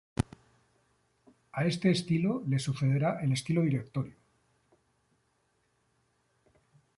A este estilo le sucederá el Estilo Directorio.